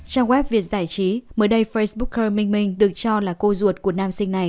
trong web việt giải trí mới đây facebooker minh minh được cho là cô ruột của nam sinh này